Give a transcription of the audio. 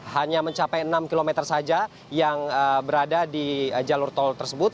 hanya mencapai enam km saja yang berada di jalur tol tersebut